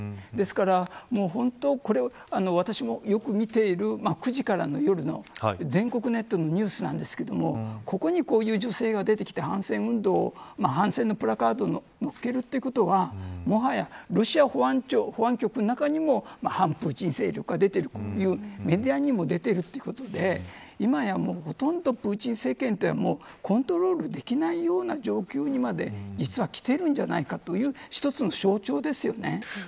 ですから、本当にこれ私もよく見ている９時からの夜の全国ネットのニュースなんですけれどもここに、こういう女性が出てきて反戦運動反戦のプラカードをのっけるということはもはや、ロシア保安局の中にも反プーチン勢力が出ているメディアにも出ているということで今やもうほとんどプーチン政権はコントロールできないような状況にまで実はきているんじゃないかという一つの象徴ですよね。